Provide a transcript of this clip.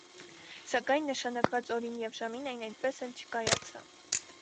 Սակայն նշանակված օրին ու ժամին այն այդպես էլ չկայացավ։